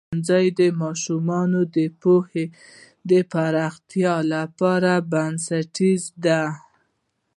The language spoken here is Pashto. ښوونځی د ماشومانو د پوهې د پراختیا لپاره بنسټیز دی.